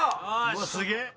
うわっすげえ。